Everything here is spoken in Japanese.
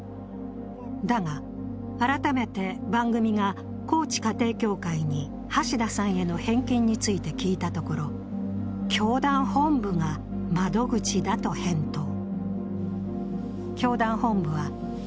だが、改めて番組が高知家庭教会に橋田さんへの返金について聞いたところ、教団本部が窓口だと返答。